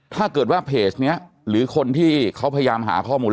ถ้าเกิดว่าเพจนี้หรือคนที่เขาพยายามหาข้อมูล